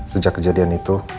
sejak kejadian itu